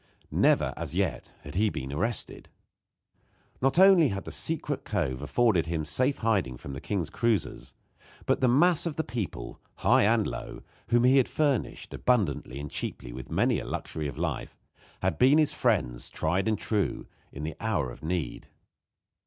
Never, as yet, had he been arrested. Not only had the secret cove afforded him safe hiding from the king's cruisers, but the mass of the people, high and low, whom he had furnished abundantly and cheaply with many a luxury of life, had been his friends, tried and true, in the hour of need.